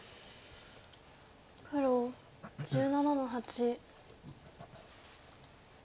黒１７の八。